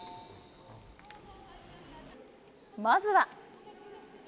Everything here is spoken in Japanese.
まずは。